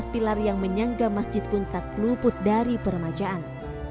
dua belas pilar yang menyangka masjid kuntat luput dari peremajaan